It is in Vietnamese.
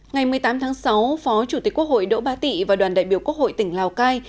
ngày một mươi tám tháng sáu phó chủ tịch quốc hội đỗ ba tị và đoàn đại biểu quốc hội tỉnh lào cai